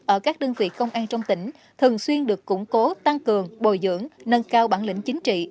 ở các đơn vị công an trong tỉnh thường xuyên được củng cố tăng cường bồi dưỡng nâng cao bản lĩnh chính trị